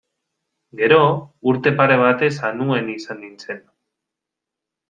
Gero, urte pare batez Anuen izan nintzen.